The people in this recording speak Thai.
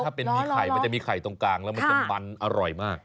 ถ้าเป็นมีไข่มันจะมีไข่ตรงกลางแล้วมันจะมันอร่อยมาก